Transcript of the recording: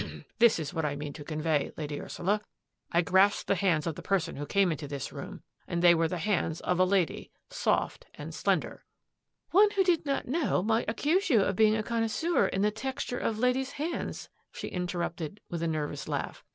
" This is what I mean to convey. Lady Ursula. I grasped the hands of the person who came into this room and they were the hands of a lady, soft and slender —"" One who did not know, might accuse you of being a connoisseur in the texture of ladies' hands," she interrupted, with a nervous laugh.